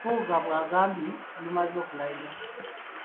Mpuuga bw’agambye olumaze okulayira.